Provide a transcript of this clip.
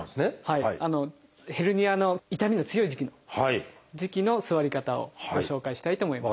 ヘルニアの痛みの強い時期の座り方をご紹介したいと思います。